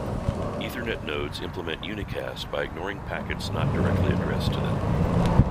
Ethernet nodes implement unicast by ignoring packets not directly addressed to them.